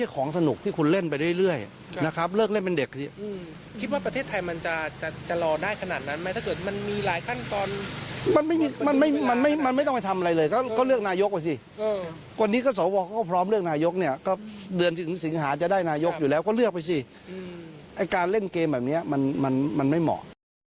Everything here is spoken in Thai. ก็เลือกไปสิไอ้การเล่นเกมแบบนี้มันไม่เหมาะ